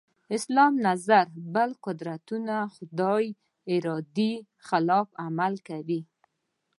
اسلام نظر بل قدرتونه خدای ارادې خلاف عمل کوي.